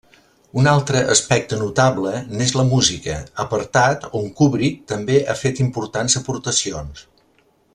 Un altre aspecte notable n'és la música, apartat on Kubrick també ha fet importants aportacions.